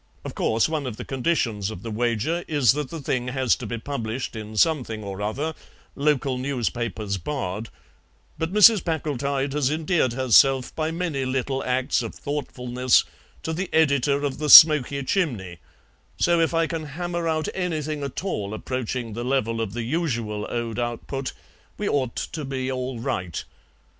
Of course, one of the conditions of the wager is that the thing has to be published in something or other, local newspapers barred; but Mrs. Packletide has endeared herself by many little acts of thoughtfulness to the editor of the SMOKY CHIMNEY, so if I can hammer out anything at all approaching the level of the usual Ode output we ought to be all right.